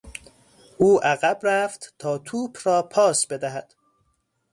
او عقب رفت تا توپ را پاس بدهد.